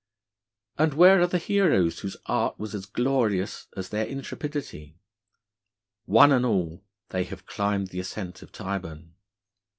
And where are the heroes whose art was as glorious as their intrepidity? One and all they have climbed the ascent of Tyburn.